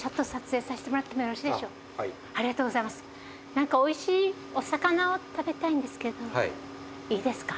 何かおいしいお魚を食べたいんですけどいいですか？